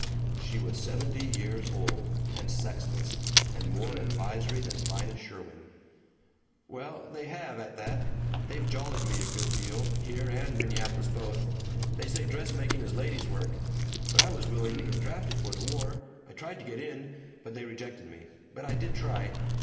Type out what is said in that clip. She was seventy years old, and sexless, and more advisory than Vida Sherwin. "Well, they have, at that. They've jollied me a good deal, here and Minneapolis both. They say dressmaking is ladies' work. (But I was willing to get drafted for the war! I tried to get in. But they rejected me. But I did try!